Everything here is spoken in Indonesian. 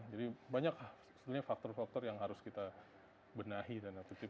jadi banyak faktor faktor yang harus kita benahi dan sebagainya